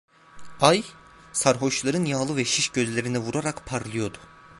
Ay sarhoşların yağlı ve şiş gözlerine vurarak parlıyordu.